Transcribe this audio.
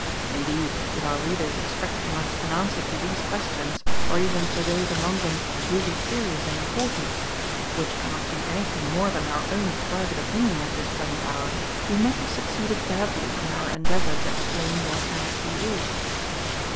Indeed if our readers expect from us an answer to these questions, or even to those among them really serious and important, which cannot be anything more than our own private opinion at this present hour, we must have succeeded badly in our endeavor to explain what Anarchy is.